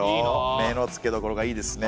目のつけどころがいいですね。